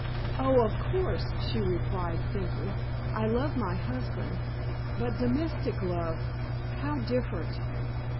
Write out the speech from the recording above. "Oh, of course," she replied simply. "I love my husband. But domestic love how different!"